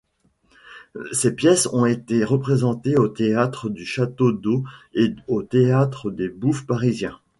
Ses pièces ont été représentées au Théâtre du Château-d'Eau et au Théâtre des Bouffes-Parisiens.